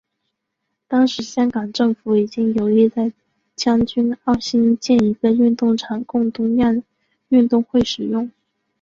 当时香港政府已经有意在将军澳兴建一个运动场供东亚运动会使用。